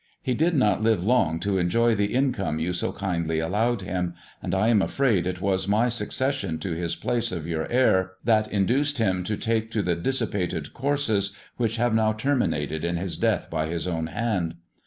He did not live long to enjoy the income you so kindly allowed him, and I am afraid it was my suc cession to his place of your heir, that induced him to take to the dissipated courses which have now terminated in his death by his own hand.